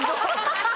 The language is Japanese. ハハハハ！